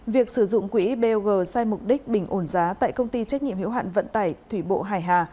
việc sử dụng quỹ bog sai mục đích bình ổn giá tại công ty trách nhiệm hiệu hạn vận tải thủy bộ hải hà